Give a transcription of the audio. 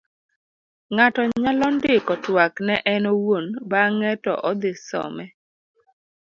ng'ato nyalo ndiko twak ne en owuon bang'e to odhi some